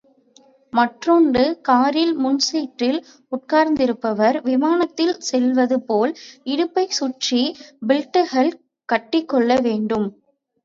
மற்றொன்று காரில் முன் சீட்டில் உட்கார்ந்திருப்பவர் விமானத்தில் செல்வது போல் இடுப்பைச் சுற்றி பில்டுகள் கட்டிக்கொள்ள வேண்டும்.